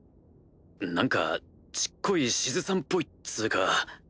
何か小っこいシズさんっぽいっつうか。